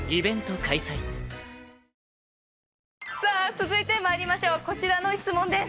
続いてまいりましょうこちらの質問です！